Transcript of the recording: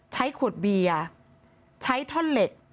ใช้ขวดเบียร์ใช้ท่อนเหล็ก